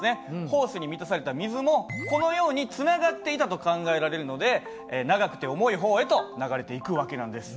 ホースに満たされた水もこのようにつながっていたと考えられるので長くて重い方へと流れていく訳なんです。